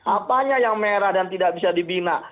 apanya yang merah dan tidak bisa dibina